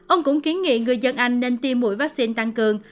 ông cũng kiến nghị người dân anh nên tiêm mũi vaccine tăng cường